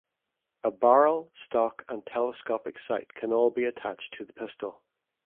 A barrel, stock and telescopic sight can all be attached to the pistol.